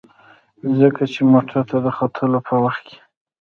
ځکه چې موټر ته د ختلو په وخت کې.